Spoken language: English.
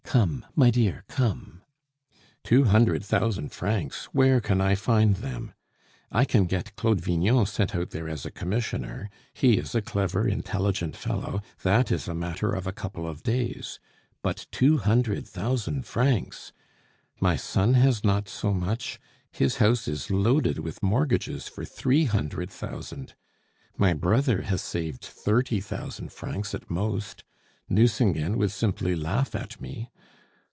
Come, my dear, come!" "Two hundred thousand francs? Where can I find them? I can get Claude Vignon sent out there as commissioner. He is a clever, intelligent fellow. That is a matter of a couple of days. But two hundred thousand francs! My son has not so much; his house is loaded with mortgages for three hundred thousand. My brother has saved thirty thousand francs at most. Nucingen would simply laugh at me!